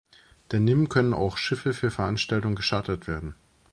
Daneben können auch Schiffe für Veranstaltungen gechartert werden.